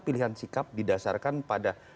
pilihan sikap didasarkan pada